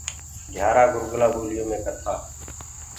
گھيآرآنٚ گُرگُلآ ٻوليو مي ڪٿآ۔